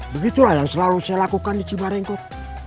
begitulah yang selalu saya lakukan di cibaringkok